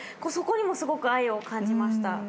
そこにもすごく愛を感じました。